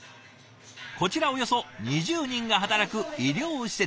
こちらおよそ２０人が働く医療施設。